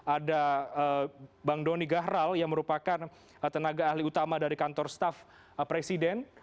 ada bang doni gahral yang merupakan tenaga ahli utama dari kantor staff presiden